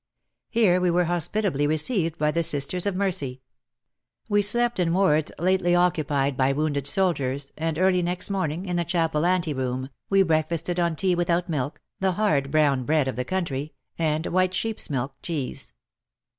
Here we were hospitably received by the Sisters of Mercy. We slept in wards lately occupied by wounded soldiers, and early next morning, in the chapel ante room, we break fasted on tea without milk, the hard brown bread of the country, and white sheep's milk cheese.